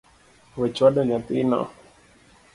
We chwado nyathi no